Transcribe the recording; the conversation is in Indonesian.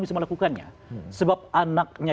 bisa melakukannya sebab anaknya